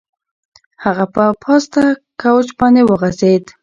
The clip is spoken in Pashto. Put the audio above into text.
هغه په پاسته کوچ باندې وغځېد.